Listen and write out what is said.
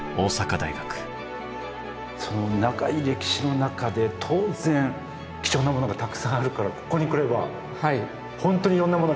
その長い歴史の中で当然貴重なものがたくさんあるからここに来れば本当にいろんなものが見れるってことですもんね？